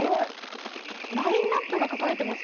ラインアップが書かれてます。